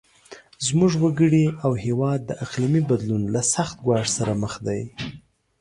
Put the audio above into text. زموږ وګړي او هیواد د اقلیمي بدلون له سخت ګواښ سره مخ دي.